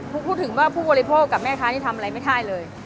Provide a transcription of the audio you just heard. พูดถึงว่าผู้บริโภคกับแม่ค้านี่ทำอะไรไม่ได้เลย